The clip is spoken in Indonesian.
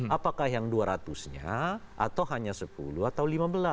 apakah yang dua ratus nya atau hanya sepuluh atau lima belas